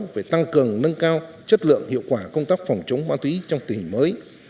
về tăng cường nâng cao chất lượng hiệu quả công tác phòng chống ma túy trong tình hình mới